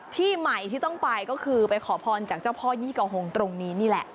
ที่ใหม่ที่ต้องไปก็คือไปขอพรจากเจ้าพ่อยี่ก่อหงตรงนี้นี่แหละ